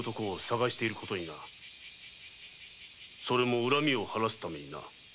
それも恨みを晴らすタメにな。